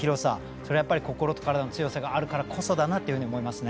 それは心と体の強さがあるからこそだなと思いますね。